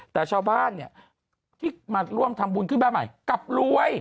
แต่ชาวบ้านเนี่ยที่มาร่วมทำบุญขึ้นบ้านใหม่กลับรวย